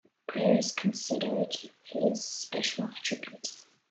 Prayer is considered his special attribute.